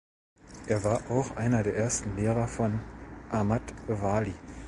Er war auch einer der ersten Lehrer von Ahmad Wali.